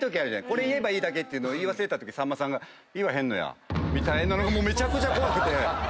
これ言えばいいだけっていうのを言い忘れたときさんまさんが「言わへんのや」みたいなのがめちゃくちゃ怖くて。